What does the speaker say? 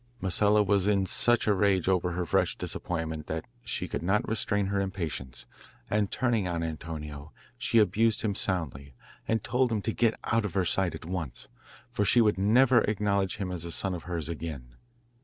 Masella was in such a rage over her fresh disappointment that she could not restrain her impatience, and, turning on Antonio, she abused him soundly, and told him to get out of her sight at once, for she would never acknowledge him as a son of hers again.